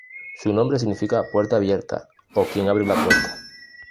Su nombre significa "puerta abierta", o "quien abre la puerta".